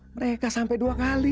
mereka sampai dua kali